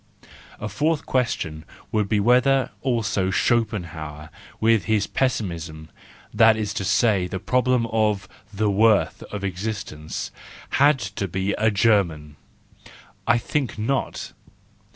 A fourth question would be whether also Schopenhauer with his Pessimism, that is to say the problem of the worth of existence , had to be a German. I think not.